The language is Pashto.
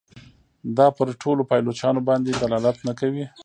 دا پر ټولو پایلوچانو باندي دلالت نه کوي.